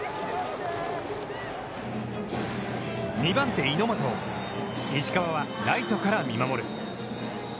２番手猪俣を石川はライトから見守る。